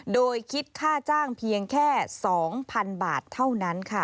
โดยคิดค่าจ้างเพียงแค่๒๐๐๐บาทเท่านั้นค่ะ